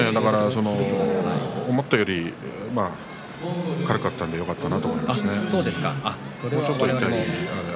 思ったより軽かったのでよかったなと思っています。